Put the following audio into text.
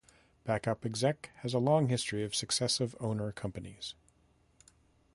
Backup Exec has a long history of successive owner-companies.